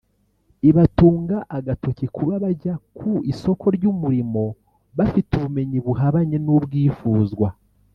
ibatunga agatoki kuba bajya ku isoko ry’umurimo bafite ubumenyi buhabanye n’ubwifuzwa